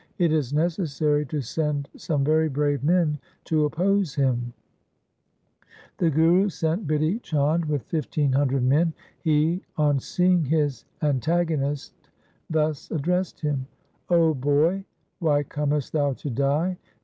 It is necessary to send some very brave men to oppose him.' The Guru sent Bidhi Chand LIFE OF GURU HAR GOBIND 183 with fifteen hundred men. He, on seeing his antag onist, thus addressed him :' O boy, why comest thou to die